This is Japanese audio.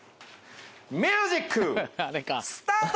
ミュージックスタート！